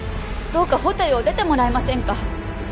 どうかホテルを出てもらえませんか？